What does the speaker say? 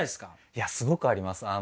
いやすごくあります。